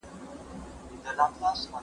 افغانستان وستایل شو.